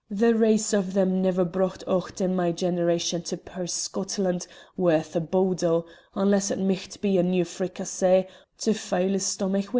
The race o' them never brocht ocht in my generation to puir Scotland worth a bodle, unless it micht be a new fricassee to fyle a stamach wi'.